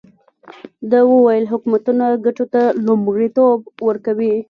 ده وویل حکومتونه ګټو ته لومړیتوب ورکوي.